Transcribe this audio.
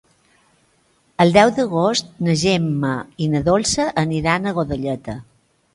El deu d'agost na Gemma i na Dolça aniran a Godelleta.